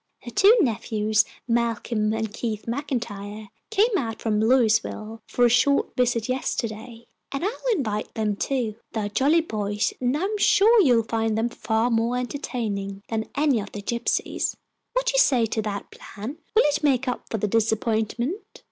Her two nephews, Malcolm and Keith MacIntyre, came out from Louisville for a short visit yesterday, and I'll invite them, too. They are jolly boys, and I'm sure you will find them far more entertaining than any of the gypsies. What do you say to that plan? Will it make up for the disappointment?"